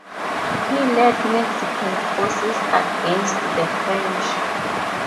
He led Mexican forces against the French.